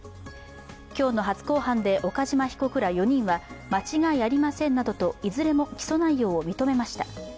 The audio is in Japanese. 今日の初公判で岡島被告ら４人は、間違いありませんなどと、いずれも起訴内容を認めました。